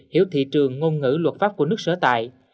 hiểu thị trường ngôn ngữ luật pháp của nước sở tại